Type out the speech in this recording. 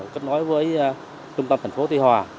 kết nối với trung tâm thành phố tuy hòa